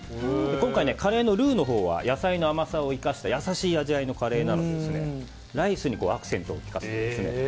今回、カレーのルーのほうは野菜の甘さを生かした優しい味わいのカレーなのでライスにアクセントをきかせるんですね。